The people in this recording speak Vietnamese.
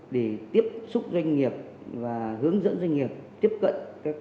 để tiếp xúc doanh nghiệp và hướng dẫn doanh nghiệp tiếp cận